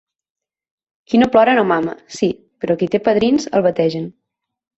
Qui no plora no mama, sí; però qui té padrins, el bategen.